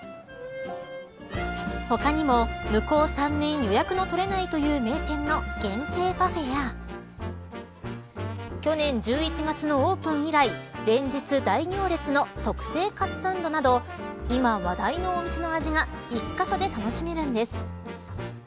他にも向こう３年予約が取れないと有名なお店の限定パフェや去年１１月のオープン以来連日大行列の特製かつサンドなど今話題のお店の味が１カ所で楽しめるんです。